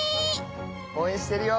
応援してるよ。